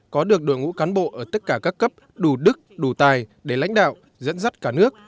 có được đội ngũ cán bộ ở tất cả các cấp đủ đức đủ tài để lãnh đạo dẫn dắt cả nước